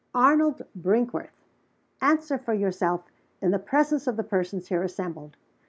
"Arnold Brinkworth! answer for yourself, in the presence of the persons here assembled.